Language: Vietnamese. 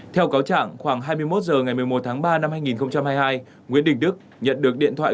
theo cáo trạng khoảng hai mươi một h ngày một mươi một tháng ba năm hai nghìn hai mươi hai nguyễn đình đức nhận được điện thoại